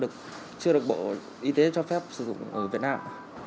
lực chưa được bộ y tế cho phép sử dụng ở việt nam